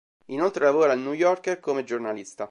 Inoltre lavora al "New Yorker" come giornalista.